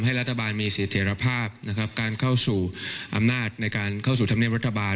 รัฐบาลมีสิทธิรภาพนะครับการเข้าสู่อำนาจในการเข้าสู่ธรรมเนียมรัฐบาล